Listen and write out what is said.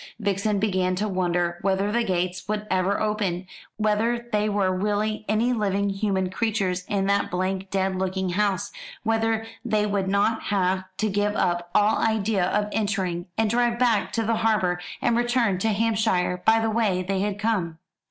Vixen began to wonder whether the gates would ever open whether there were really any living human creatures in that blank dead looking house whether they would not have to give up all idea of entering, and drive back to the harbour, and return to Hampshire by the way they had come.